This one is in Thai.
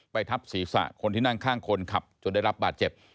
ทับศีรษะคนที่นั่งข้างคนขับจนได้รับบาดเจ็บ